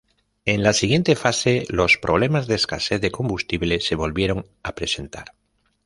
En la siguiente fase, los problemas de escasez de combustible se volvieron a presentar.